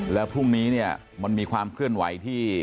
แล้วพรุ่งนี้เนี่ยมันมีความเคลื่อนไหวที่